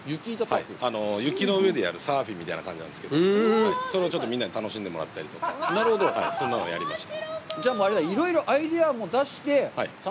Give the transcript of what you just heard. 去年、雪板パークというのを造ったりして、雪の上でやるサーフィンみたいな感じなんですけど、それをちょっとみんなに楽しんでもらったりとか、そんなのもやりました。